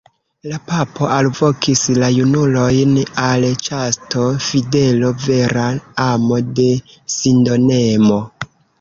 La papo alvokis la junulojn al ĉasto, fidelo, vera amo kaj sindonemo.